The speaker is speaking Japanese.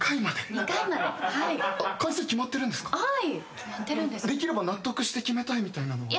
できれば納得して決めたいみたいなのは。